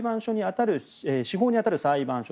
司法に当たる裁判所。